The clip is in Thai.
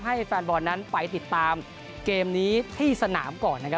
ให้แฟนบอลนั้นไปติดตามเกมนี้ที่สนามก่อนนะครับ